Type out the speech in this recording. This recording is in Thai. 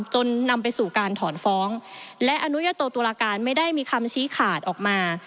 จนนำไปสู่การถอนฟ้องและอนุญาโตตุลาการไม่ได้มีคำชี้ขาดออกมา